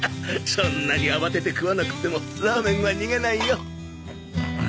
そんなに慌てて食わなくてもラーメンは逃げないよ。